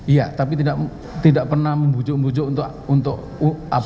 iya tapi tidak pernah membujuk membujuk untuk up